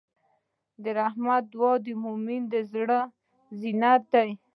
د رحمت دعا د مؤمن زړۀ زینت دی.